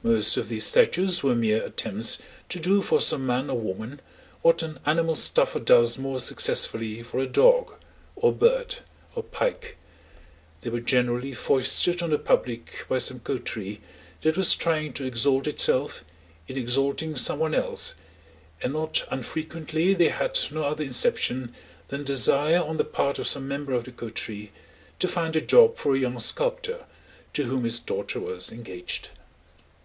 Most of these statues were mere attempts to do for some man or woman what an animal stuffer does more successfully for a dog, or bird, or pike. They were generally foisted on the public by some côterie that was trying to exalt itself in exalting some one else, and not unfrequently they had no other inception than desire on the part of some member of the côterie to find a job for a young sculptor to whom his daughter was engaged.